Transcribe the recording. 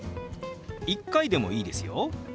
１回でもいいですよ。